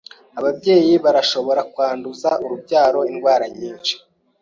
Ababyeyi barashobora kwanduza urubyaro indwara nyinshi.